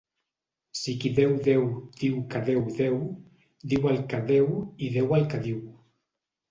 Si qui deu deu diu que deu deu, diu el que deu i deu el que diu.